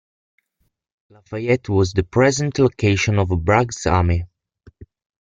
Lafayette was the present location of Bragg's army.